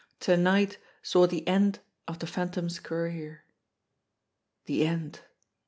to night saw the end of the Phan tom's career. The end